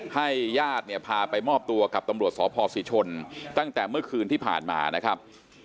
ญาติเนี่ยพาไปมอบตัวกับตำรวจสพศิชนตั้งแต่เมื่อคืนที่ผ่านมานะครับ